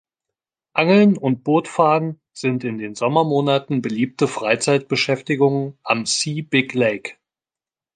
Angeln und Bootfahren sind in den Sommermonaten beliebte Freizeitbeschäftigungen am See Big Lake.